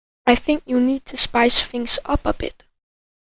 I think you need to spice things up a bit.